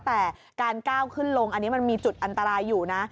แต่การก้าวขึ้นลงอันนี้มันมีจุดอันตรายอยู่นะ